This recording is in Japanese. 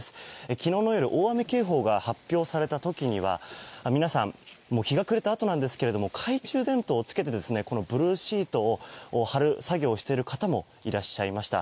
昨日の夜大雨警報が発表された時には皆さん日が暮れたあとなんですが懐中電灯をつけてブルーシートを張る作業をしてる方もいらっしゃいました。